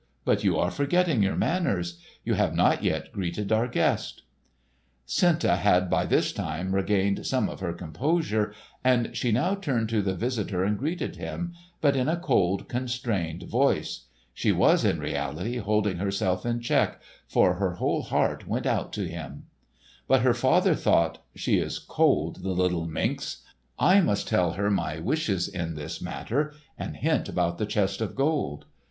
But you are forgetting your manners. You have not yet greeted our guest." Senta had by this time regained some of her composure, and she now turned to the visitor and greeted him, but in a cold, constrained voice. She was in reality holding herself in check, for her whole heart went out to him. But her father thought, "She is cold, the little minx! I must tell her my wishes in this matter, and hint about the chest of gold."